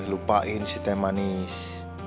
lupain si teh manis